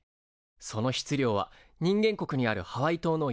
その質量は人間国にあるハワイ島の約５倍とか。